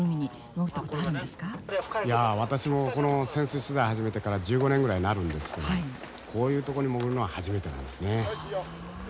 いや私も潜水取材始めてから１５年ぐらいになるんですけどこういうとこに潜るのは初めてなんですね。